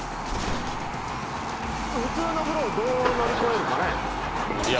「普通の風呂をどう乗り越えるかね」